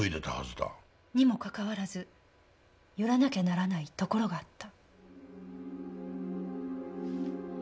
にもかかわらず寄らなきゃならないところがあった。